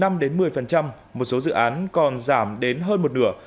một số dự án còn giảm đến hơn một nửa